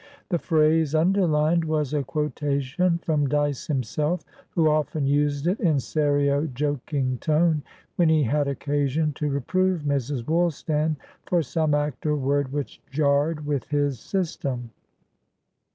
The phrase underlined was a quotation from Dyce himself, who often used it, in serio joking tone, when he had occasion to reprove Mrs. Woolstan for some act or word which jarred with his system.